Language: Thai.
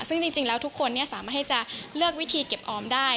ซึ่งจริงแล้วทุกคนสามารถให้จะเลือกวิธีเก็บออมได้